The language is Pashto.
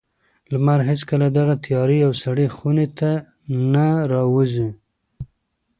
لمر هېڅکله دغې تیاره او سړې خونې ته نه راوځي.